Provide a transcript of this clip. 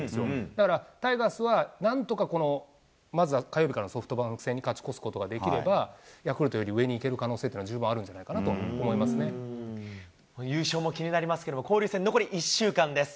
だから、タイガースはなんとかこのまずは火曜日からのソフトバンク戦に勝ち越すことができれば、ヤクルトより上に行ける可能性は十分あるんじゃないかなと思いま優勝も気になりますけれども、交流戦、残り１週間です。